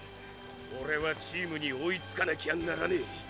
オレはチームに追いつかなきゃならねぇ。